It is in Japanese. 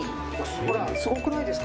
ほらすごくないですか？